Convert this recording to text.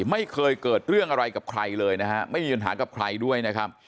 ไม่เคยเกิดเรื่องอะไรกับใครเลยนะฮะไม่มีปัญหากับใครด้วยนะครับ